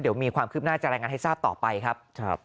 เดี๋ยวมีความคืบหน้าจะรายงานให้ทราบต่อไปครับ